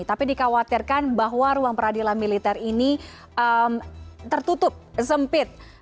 tapi dikhawatirkan bahwa ruang peradilan militer ini tertutup sempit